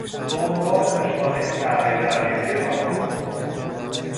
به عنوان نشانهی تغییر عقیدهی آنها